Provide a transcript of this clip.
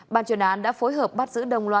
bàn chuyên án đã phối hợp bắt giữ đồng lợi